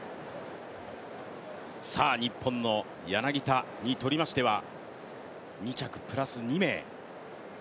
日本の柳田にとりましては２着プラス２名。